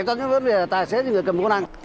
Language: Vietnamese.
cho nên rất nhiều người tài xế người cầm quân ăn